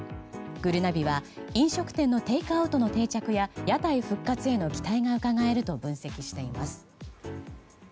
ぐるなびは飲食店のテイクアウトの定着や屋台復活への期待がうかがえると分析しています。